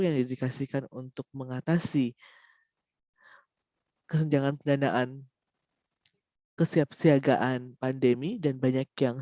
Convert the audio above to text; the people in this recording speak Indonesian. yang didedikasikan untuk mengatasi kesenjangan pendanaan